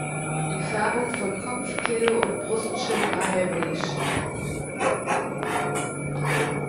Die Färbung von Kopf, Kehle und Brustschild war hellbeige.